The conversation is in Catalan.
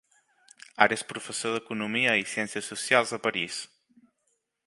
Ara és professor d'economia i ciències socials a París.